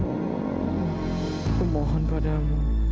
aku mohon padamu